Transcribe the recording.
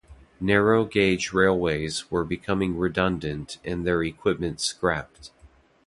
Narrow-gauge railways were becoming redundant and their equipment scrapped.